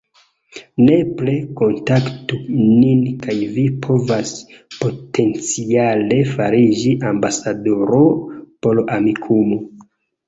Nepre kontaktu nin kaj vi povas potenciale fariĝi ambasadoro por Amikumu